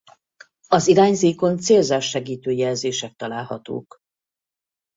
Az irányzékon célzást segítő jelzések találhatók.